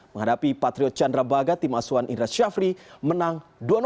menghadapi patriot candrabaga tim asuhan indra syafri menang dua